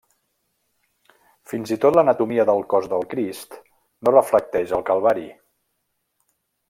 Fins i tot l'anatomia del cos del Crist no reflecteix el calvari.